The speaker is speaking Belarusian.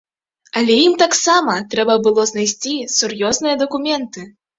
Але ім таксама трэба было знайсці сур'ёзныя дакументы.